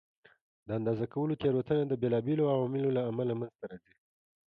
د اندازه کولو تېروتنه د بېلابېلو عواملو له امله منځته راځي.